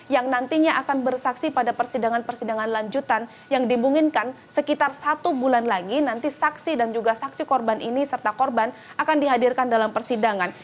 yang nantinya akan bersaksi pada persidangan persidangan lanjutan yang dimungkinkan sekitar satu bulan lagi nanti saksi dan juga saksi korban ini serta korban akan dihadirkan dalam persidangan